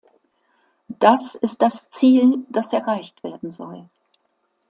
Das ist das Ziel, das erreicht werden soll.